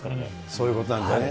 そういうことなんだよね。